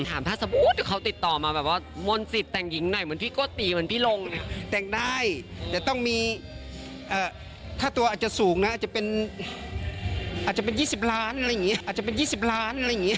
ถามถ้าเกิดติดต่อมนศิษณ์แต่งหญิงให้ไปเหมือนพี่โกตี้หวังว่ากินเขา